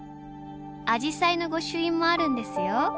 アジサイの御朱印もあるんですよ。